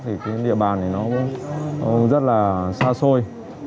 thì cái địa bàn này nó rất là xa xôi